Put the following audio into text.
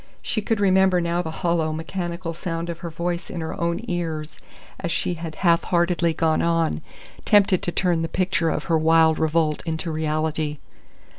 She could remember now the hollow, mechanical sound of her voice in her own ears as she had half heartedly gone on, tempted to turn the picture of her wild revolt into reality.